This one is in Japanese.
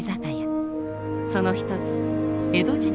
その一つ江戸時代